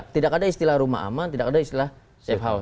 tidak ada istilah rumah aman tidak ada istilah safe house